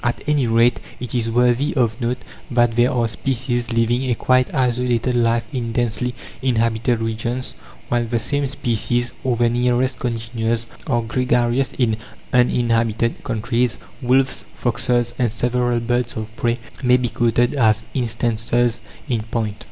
At any rate it is worthy of note that there are species living a quite isolated life in densely inhabited regions, while the same species, or their nearest congeners, are gregarious in uninhabited countries. Wolves, foxes, and several birds of prey may be quoted as instances in point.